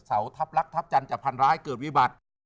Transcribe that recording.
ทัพลักษณ์ทัพจันทร์จะพันร้ายเกิดวิบัติ